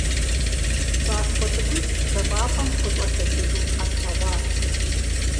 ПцӀащхъуэ цӀыкӀуитӏ пщэфӀапӀэм къыщӀэлъэтыжу къэтлъэгъуащ.